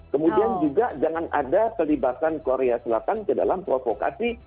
kemudian juga jangan ada pelibatan korea selatan ke dalam provokasi